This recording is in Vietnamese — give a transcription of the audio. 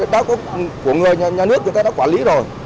đó có của người nhà nước người ta đã quản lý rồi